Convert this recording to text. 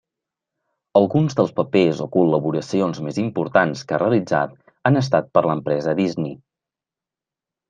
Alguns dels papers o col·laboracions més importants que ha realitzat han estat per l'empresa Disney.